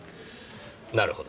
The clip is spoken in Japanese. なるほど。